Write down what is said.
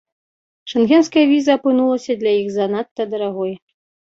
Шэнгенская віза апынулася для іх занадта дарагой.